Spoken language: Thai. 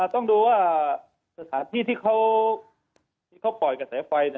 ต้องดูว่าสถานที่ที่เขาปล่อยกระแสไฟ